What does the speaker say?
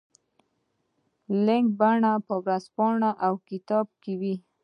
لیکلي بڼه په ورځپاڼه او کتاب کې وي.